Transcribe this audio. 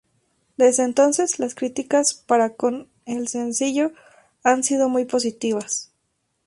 Desde entonces las críticas para con el sencillo han sido muy positivas.